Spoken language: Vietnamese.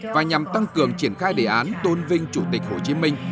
và nhằm tăng cường triển khai đề án tôn vinh chủ tịch hồ chí minh